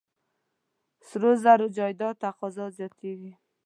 سرو زرو جایداد تقاضا زیاتېږي.